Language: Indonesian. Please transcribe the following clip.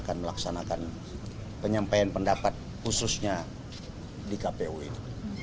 dan akan melaksanakan penyampaian pendapat khususnya di kpu ini